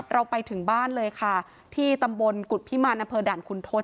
ไปถึงบ้านเลยค่ะที่ตำบลกุฎพิมารอำเภอด่านคุณทศ